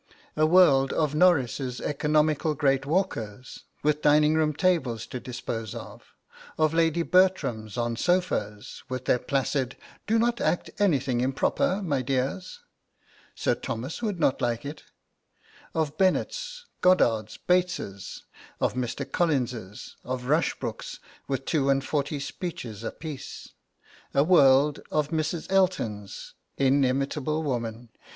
a world of Norris's economical great walkers, with dining room tables to dispose of; of Lady Bertrams on sofas, with their placid 'Do not act anything improper, my dears; Sir Thomas would not like it;' of Bennets, Goddards, Bates's; of Mr. Collins's; of Rushbrooks, with two and forty speeches apiece a world of Mrs. Eltons.... Inimitable woman!